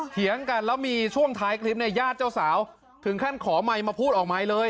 เถียงกันแล้วมีช่วงท้ายคลิปเนี่ยญาติเจ้าสาวถึงขั้นขอไมค์มาพูดออกไมค์เลย